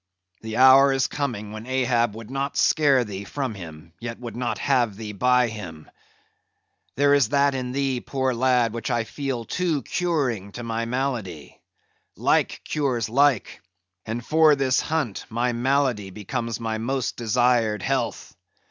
The hour is coming when Ahab would not scare thee from him, yet would not have thee by him. There is that in thee, poor lad, which I feel too curing to my malady. Like cures like; and for this hunt, my malady becomes my most desired health.